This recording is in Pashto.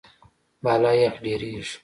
بالا یخ ډېریږي.